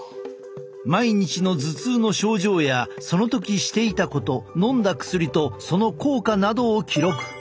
毎日の頭痛の症状やその時していたこと飲んだ薬とその効果などを記録。